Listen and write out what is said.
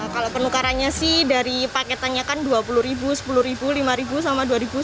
kalau penukarannya sih dari paketannya kan dua puluh sepuluh lima sama dua satu